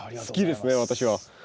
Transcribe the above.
好きですね私は。